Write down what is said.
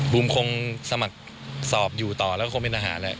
บุมคงสมัครสอบอยู่ต่อแล้วก็คงเป็นทหารแหละ